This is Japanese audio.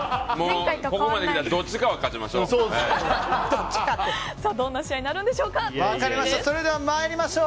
ここまで来たらどっちかは勝ちましょう。